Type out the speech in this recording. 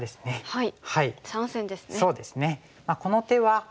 はい。